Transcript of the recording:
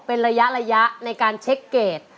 เป็นระยะในการเช็คเกจ